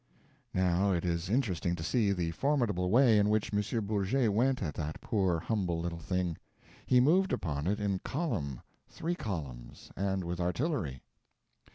Now, it is interesting to see the formidable way in which M. Bourget went at that poor, humble little thing. He moved upon it in column three columns and with artillery.